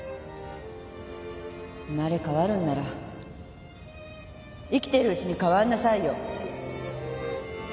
生まれ変わるんなら生きているうちに変わんなさいよ！